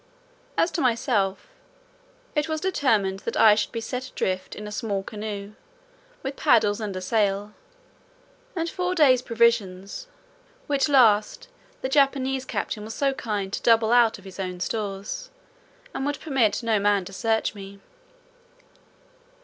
As to myself, it was determined that I should be set adrift in a small canoe, with paddles and a sail, and four days' provisions; which last, the Japanese captain was so kind to double out of his own stores, and would permit no man to search me.